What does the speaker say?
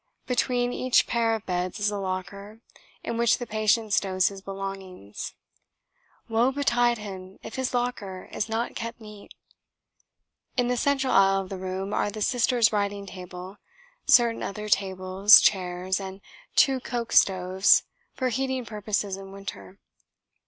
Between each pair of beds is a locker in which the patient stows his belongings. (Woe betide him if his locker is not kept neat!) In the central aisle of the room are the Sister's writing table, certain other tables, chairs, and two coke stoves for heating purposes in winter.